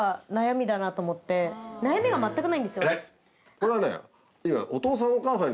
これはね。